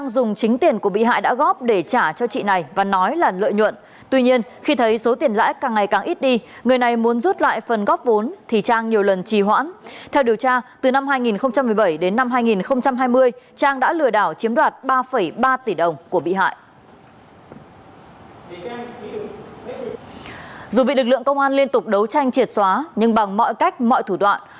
dù bị lực lượng công an liên tục đấu tranh triệt xóa nhưng bằng mọi cách mọi thủ đoạn